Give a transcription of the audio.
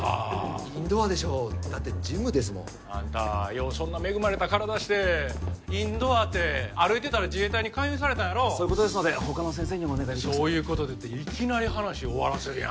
インドアでしょうだってジムですもんあんたようそんな恵まれた体してインドアて歩いてたら自衛隊に勧誘されたんやろそういうことですので他の先生にお願いできますか「そういうことで」っていきなり話終わらせるや